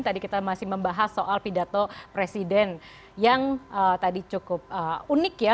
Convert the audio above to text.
tadi kita masih membahas soal pidato presiden yang tadi cukup unik ya